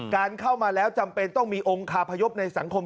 การเข้ามาแล้วจำเป็นต้องมีองค์คาพยพในสังคม